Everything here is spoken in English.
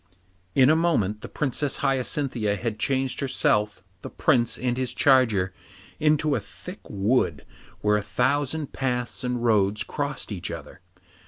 In a moment the Princess Hyacinthia had changed herself, the Prince, and his charger into a thick wood where a thousand paths and roads crossed each other.